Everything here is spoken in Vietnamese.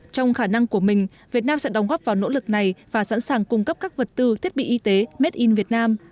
trong khả năng của mình việt nam sẽ đóng góp vào nỗ lực này và sẵn sàng cung cấp các vật tư thiết bị y tế made in vietnam